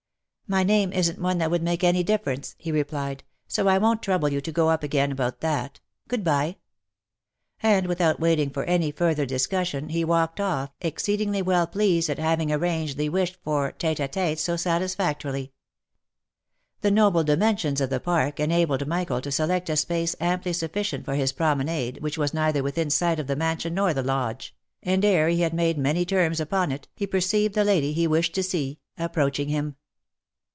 " My name isn't one that would make any difference," he replied, " so I won't trouble you to go up again about that — ^ood bye !" And without waiting for any further discussion, he walked off, exceedingly well pleased at having arranged the wished for tete a tete so satisfac torily. The noble dimensions of the park enabled Michael to select a space amply sufficient for his promenade which was neither within sight of the mansion nor the lodge, and ere he had made many turns upon it, he perceived the lady he wished to see, approaching him.